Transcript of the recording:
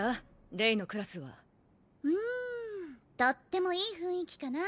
レイのクラスはうんとってもいい雰囲気かな